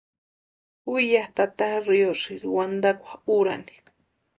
Ju ya tata riosïri wantakwa úrani.